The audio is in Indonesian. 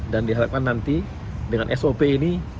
dan diharapkan nanti dengan sop ini